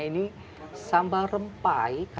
ini sambal rempai